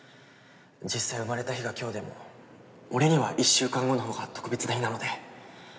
実際生まれた日が今日でも俺には１週間後のほうが特別な日なので。